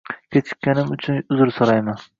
Kechikkanim uchun uzr soʻrayman.